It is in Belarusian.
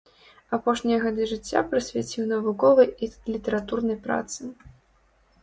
Апошнія гады жыцця прысвяціў навуковай і літаратурнай працы.